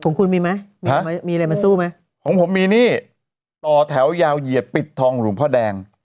ของคุณมีไหมมีไหมมีอะไรมาสู้ไหมของผมมีหนี้ต่อแถวยาวเหยียดปิดทองหลวงพ่อแดง